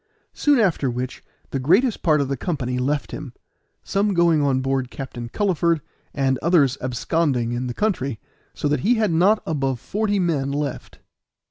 Soon after which the greatest part of the company left him, some going on board Captain Culliford, and others absconding in the country, so that he had not above forty men left.